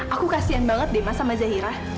aku kasihan banget deh sama zahira